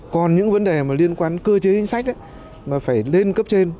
còn những vấn đề liên quan cơ chế hình sách mà phải lên cấp trên